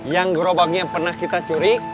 yang gerobaknya pernah kita curi